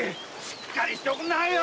しっかりしておくんなせぇよ。